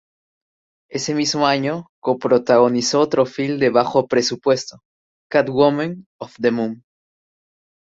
Ese mismo año coprotagonizó otro film de bajo presupuesto, "Cat-Women of the Moon".